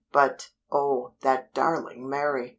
But, oh, that darling Mary!